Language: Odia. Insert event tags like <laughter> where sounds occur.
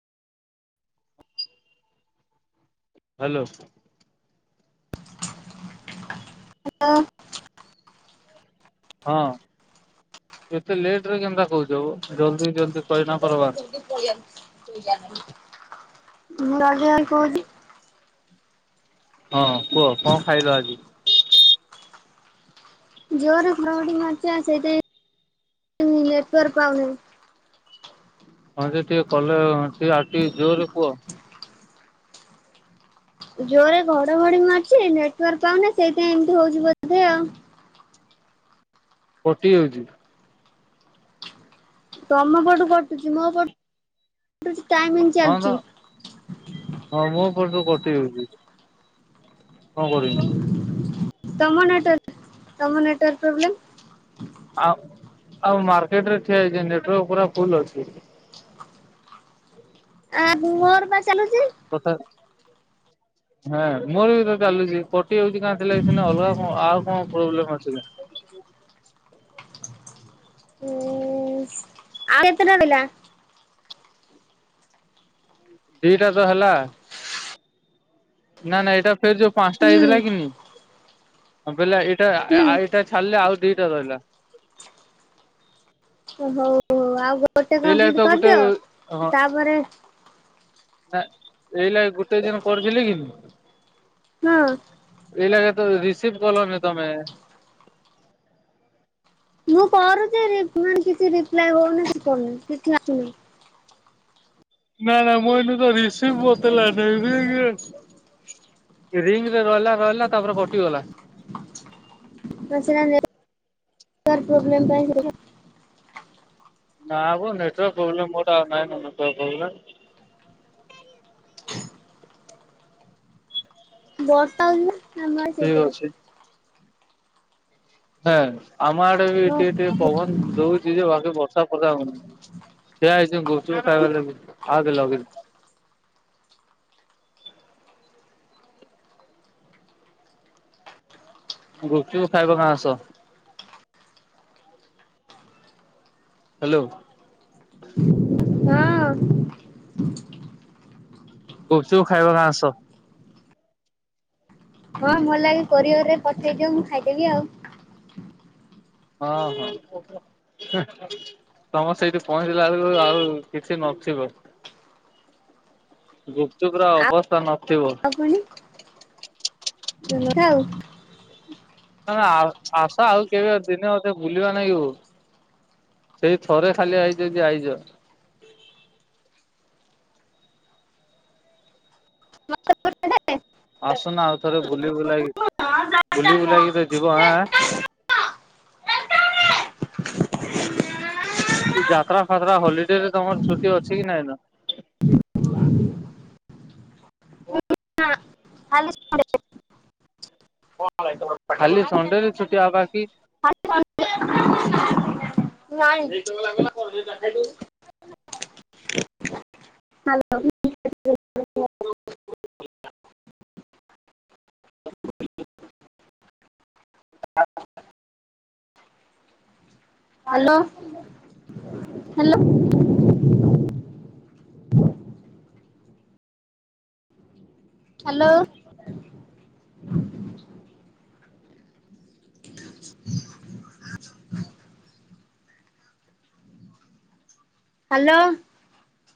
ହାଲୋ। ହେଲୋ। ହଁ ଏତେ ଲେଟରେ କେନ୍ତା କହୁଚ ଗୋ ଜଲଦି ଜଲଦି ମୁଁ ରାଜା ଭାଇ କହୁଛି। ହଁ କୁହ କଣ ଖାଇଲ ଆଜି? ଜୋରେ ଘଡ଼ଘଡ଼ି ମାରୁଚି ଆଉ ସେଇଥିପାଇଁ ନେଟୱାର୍କ ପାଉନାଇଁ। ହଁ ଯେ ଟିକେ କଲେ ଟିକେ ଆଉ ଟିକେ ଜୋରରେ କୁଅ। ଜୋରେ ଘଡଘଡି ମାରୁଚି ନେଟୱାର୍କ ପାଉନି ସେଇଥିପାଇଁ ଏମତି ହଉଛି ବୋଧେ ଆଉ। କଟି ଯାଉଛି। ତମ ପଟୁ କଟୁଛି ମୋ ପଟ ହଁ ବା ହଁ ମୁଁ ସବୁ କଟି ଯାଉଛି, କଣ କରିବି ମୁଁ? ତମ ନେଟୱାର୍ ତମ ନେଟୱାର୍କ ପ୍ରୋବ୍ଲେମ୍। ଆଉ ଆଉ ମାର୍କେଟରେ ଠିଆ ହେଇଛି ନେଟୱାର୍କ ପୁରା ଫୁଲ୍ ଅଛି। ଆ ମୋର ବା ଚାଲୁଛି। ତଥା ହେଁ ମୋର ବି ତ ଚାଲୁଛି ଏପଟ ସିଏ ହଉଛି <unintelligible> ଥିଲେ ସିନା ଅଲଗା କଣ ଆଉ କଣ ପ୍ରୋବ୍ଲେମ ଅଛି କି? ହୁଁ ଆଉ କେତେଟା ରହିଲା? ଦିଟା ତ ହେଲା। ନା ନା ଏଇଟା ଫେର ଯୋଉ ପାଞ୍ଚଟା ହୁଁ ହେଇଥିଲା କି ନି ବେଲା ଏ ଟା ହୁଁ ଆଉ ଏଇଟା ଛାଡିଲେ ଆଉ ଦିଟା ରହିଲା। ଓ ହଉ ହଉ ଆଉ ଗୋ ଗୋଟେ ଏଇଲା ତ କମ୍ପ୍ଲିଟ ଗୋଟେ କରିଦିଅ ହଁ ତାପରେ ଏଇଲେ ଗୋଟେ ଦିନ କରୁଥିଲି କିନ୍ ହଁ। ଏଇ ଲାଗେ ତ ରିସିଭ କଲନି ତମେ। ମୁଁ କରୁଛି ରିପ୍ ମାନେ କିଛି ରିପ୍ଲାଏ ହଉନି କିଛି କରୁନି କିଛି ଆସୁନାଇଁ ନାଇଁ ନାଇଁ ମୁଁ ଏଇନୁ ତ ରିସିଭ୍ <unintelligible> ରିଙ୍ଗରେ ରହିଲା ରହିଲା ତାପରେ କଟିଗଲା। ହଁ ସେଇଟା ନେଟୱାର୍କ ପ୍ରୋବଲେମ୍ ପାଇଁ <unintelligible> ନା ମ ନେଟୱାର୍କ୍ ପ୍ରୋବ୍ଲେମ୍ ମୋର ଟା ନାଇଁ ତ ନେଟୱାର୍କ୍ ପ୍ରୋବ୍ଲେମ୍। ବର୍ଷ ହଉଚି ନା ଆମ ଆଡ଼େ ଠିକ ସେଇଥିପାଇଁ। ହେଁ ଆମ ଆଡେ ବି ଓ ଟିକେ ଟିକେ ପବନ ଦଉଛି ଯେ ବାକି ବ ତାକୁ ପଲାଗୁନି ସେଇୟା ଏଇ ଯୋଉ ଗୁପ୍ ଚୁପ୍ ଖାଇବାର ଲାଗି ଆ ଦେ ଲଗେଦେ ଗୁପ୍ ଚୁପ୍ ଖାଇବା କାଁ ଆସ। ହ୍ୟାଲୋ। ହଁ ଗୁପ୍ ଚୁପ୍ ଖାଇବା ନା ଆସ। ହଁ ଭଲ ଲାଗେ କୋରିଓର ପଠେଇଦିଅ ମୁଁ ଖାଇଦେବି ଆଉ। ହଁ ହଁ। ତମ ସେଇଠି ପହଞ୍ଚିଲା ବେଳକୁ ଆଉ କିଛି ନଥିବ। ଗୁପ୍ ଚୁପ୍ ର ଅବସ୍ଥା ନ ଆକୁଳି ଉଁ ନଥାଉ। ଆଉ ଆ ଝାସ ଆଉ କେବେ ଦିନେ ଅଧେ ବୁଲିବା ନାଇଓ? ସେଇ ଥରେ ଖାଲି ଆଇଚ ଜେ ଆଇଚ। ହ୍ୟାଲୋ ଆସୁନ ଆଉ ଥରେ ବୁଲି ବୁଲେଇକି ବୁଲି ବୁଲେଇକି ତ ଯିବ ଆଁ ଆଁ। <inaudible> ଯାତ୍ରା ଫାତ୍ରା ହଲିଡେ ରେ ତମର ଛୁଟି ଅଛି କି ନାଇଁ ନ? <inaudible> ଖାଲି <unintelligible> ଖାଲି ସଣ୍ଡେରେ ଛୁଟି ଆଉ ବାକି? ନାଇଁ। Hello. Hello hello. <inaudible> Hello. <inaudible> Hello.